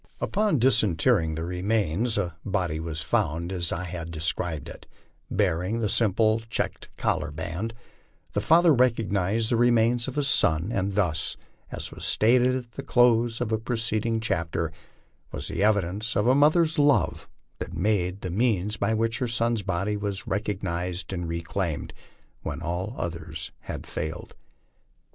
Upon disinterring the remains a body was found as I had described it, bearing the simple checked collar band ; the father recognized the remains of his son, and thus, as was stilted at the close of a preceding chapter, was the evidence of a mother's love made the means by which her son's body was recognized and reclaimed, when all other had failed.